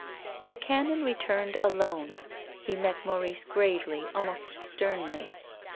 The Canon returned alone. Me met Maurice gravely, almost sternly.